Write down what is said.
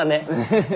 フフ。